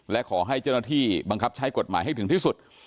และขอให้เจ้าหน้าที่บังคับใช้กฎหมายให้ถึงที่สุด